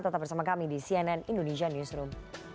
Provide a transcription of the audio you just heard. tetap bersama kami di cnn indonesia newsroom